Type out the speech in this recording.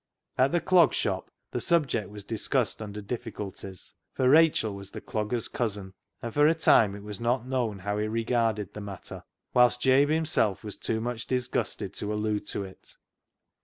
At the Clog Shop the subject was discussed under difficulties, for Rachel was the dogger's cousin, and for a time it was not known how he regarded the matter, whilst Jabe himself was too much disgusted to allude to it.